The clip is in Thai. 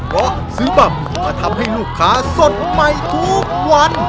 เพราะซื้อบำมาทำให้ลูกค้าสดใหม่ทุกวัน